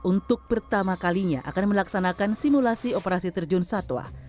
untuk pertama kalinya akan melaksanakan simulasi operasi terjun satwa